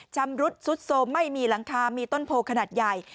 ชำรุดซุดโทรมไม่มีหลังคามีต้นโพขนาดใหญ่